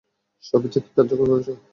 সব ইচ্ছা কি কার্যকর করেছ?